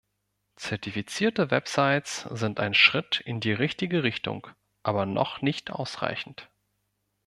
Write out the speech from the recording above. Zertifizierte Websites sind ein Schritt in die richtige Richtung, aber noch nicht ausreichend.